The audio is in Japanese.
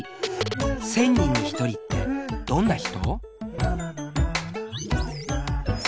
１０００人に１人ってどんな人？